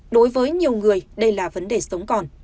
đối với nhiều người đây là vấn đề sống còn